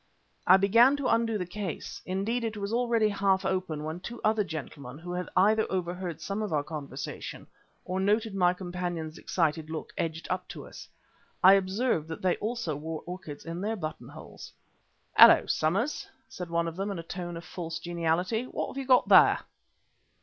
I began to undo the case. Indeed it was already half open when two other gentlemen, who had either overheard some of our conversation or noted my companion's excited look, edged up to us. I observed that they also wore orchids in their buttonholes. "Hullo! Somers," said one of them in a tone of false geniality, "what have you got there?"